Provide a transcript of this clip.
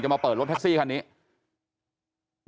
มาเปิดรถแท็กซี่คันนี้